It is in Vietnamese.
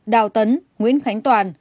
đào tấn nguyễn khánh toàn